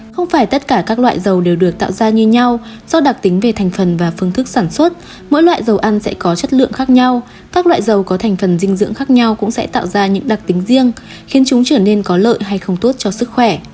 không phải tất cả các loại dầu đều được tạo ra như nhau do đặc tính về thành phần và phương thức sản xuất mỗi loại dầu ăn sẽ có chất lượng khác nhau các loại dầu có thành phần dinh dưỡng khác nhau cũng sẽ tạo ra những đặc tính riêng khiến chúng trở nên có lợi hay không tốt cho sức khỏe